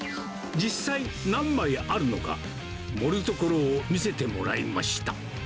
実際、何枚あるのか、盛るところを見せてもらいました。